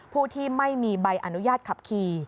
ผู้ที่ไม่มีใบอนุญาตขับขี่